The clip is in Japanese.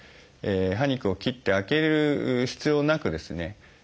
歯肉を切って開ける必要なくですね